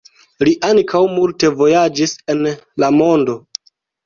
Li ankaŭ multe vojaĝis en la mondo.